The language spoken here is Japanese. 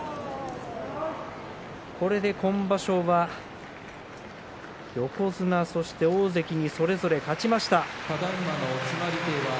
これで今場所は横綱とそして大関にそれぞれ勝ちました。